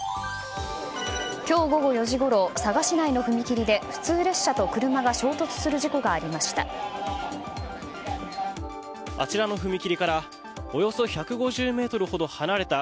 今日午後４時ごろ佐賀市内の踏切で普通列車と車が衝突する事故がありました。